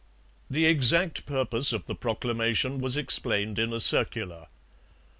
The exact purpose of the proclamation was explained in a circular.